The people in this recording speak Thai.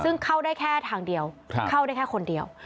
ซึ่งเข้าได้แค่ทางเดียวเข้าได้แค่คนเดียว